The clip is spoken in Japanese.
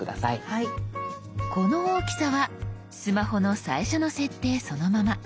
この大きさはスマホの最初の設定そのまま。